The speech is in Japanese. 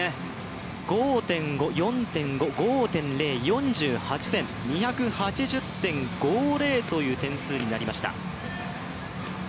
５．５、４．５、５．０５．０、４８点、２８０．５０という点数になりました。